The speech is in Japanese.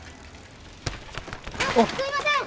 あっすいません！